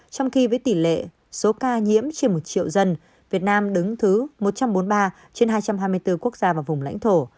trong khi với tỷ lệ số ca nhiễm trên một triệu dân việt nam đứng thứ một trăm bốn mươi ba trên hai trăm hai mươi bốn quốc gia và vùng lãnh thổ